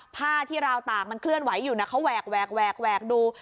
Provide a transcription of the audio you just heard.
ผ้าที่ราวตากมันเคลื่อนไหวอยู่นะเขาแหวกแหวกแหวกดู